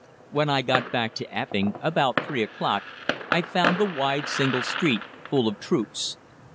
"When I got back to Epping, about three o'clock, I found the wide single street full of troops.